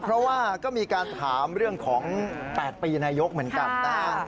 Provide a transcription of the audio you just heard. เพราะว่าก็มีการถามเรื่องของ๘ปีนายกเหมือนกันนะ